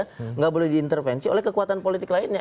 tidak boleh diintervensi oleh kekuatan politik lainnya